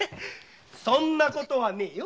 そんなことはないよ。